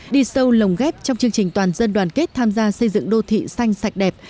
đi sâu lồng ghép trong chương trình toàn dân đoàn kết tham gia xây dựng đô thị xanh sạch đẹp